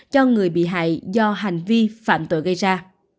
cho người bị hại do hành vi phạm tội gây ra